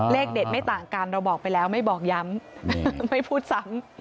เลขเด็ดไม่ต่างกันเราบอกไปแล้วไม่บอกย้ำไม่พูดซ้ำ